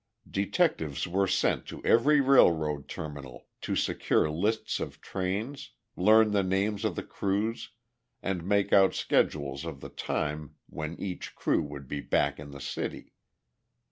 Detectives were sent to every railroad terminal to secure lists of trains, learn the names of the crews, and make out schedules of the time when each crew would be back in the city.